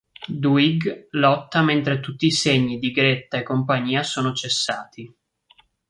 Dwight lotta mentre tutti i segni di Gretta e compagnia sono cessati.